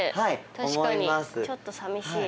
確かにちょっと寂しい。